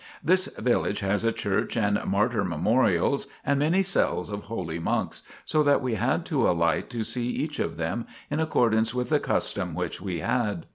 This village has a church and martyr memorials, and many cells of holy monks, so that we had to alight to see each of them, in accordance with the custom which we had.